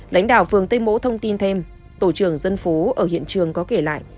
lãnh đạo phường tây mỗ thông tin thêm tổ trưởng dân phố ở hiện trường có kể lại